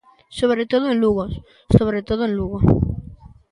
Sobre todo en Lugo, sobre todo en Lugo.